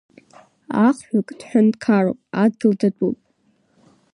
Ахҩык дҳәынҭқаруп, адгьыл датәуп!